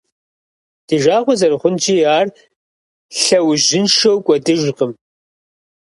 Ди жагъуэ зэрыхъунщи, ар лъэужьыншэу кӏуэдыжкъым.